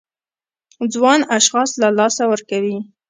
ځوان اشخاص له لاسه ورکوي.